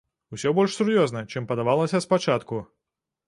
Усё больш сур'ёзна, чым падавалася спачатку.